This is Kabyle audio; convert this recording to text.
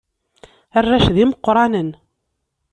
Arrac d imeqqranen.